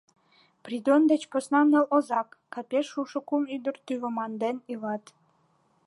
Придон деч посна ныл озак, капеш шушо кум ӱдыр тӱвыманден илат.